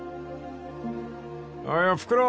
［おーいおふくろ］